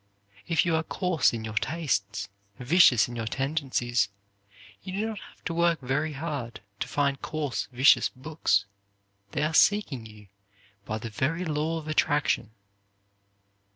If you are coarse in your tastes, vicious in your tendencies, you do not have to work very hard to find coarse vicious books; they are seeking you by the very law of attraction.